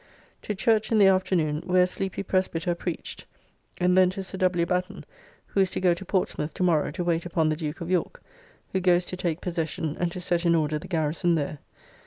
To church in the afternoon, where a sleepy Presbyter preached, and then to Sir W. Batten who is to go to Portsmouth to morrow to wait upon the Duke of York, who goes to take possession and to set in order the garrison there.